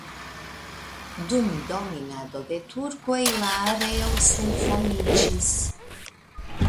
Dum dominado de turkoj la areo senhomiĝis.